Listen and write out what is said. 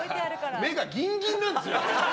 目がギンギンなんですよ。